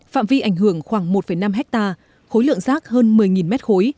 phạm vi ảnh hưởng khoảng một năm hectare khối lượng rác hơn một mươi m ba